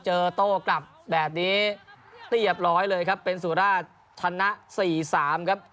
โต้กลับแบบนี้เรียบร้อยเลยครับเป็นสุราชชนะ๔๓ครับ